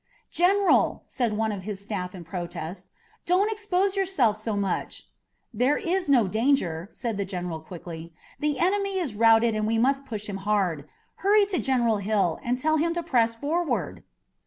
"General," said one of his staff in protest, "don't expose yourself so much." "There is no danger," said the general quickly. "The enemy is routed and we must push him hard. Hurry to General Hill and tell him to press forward."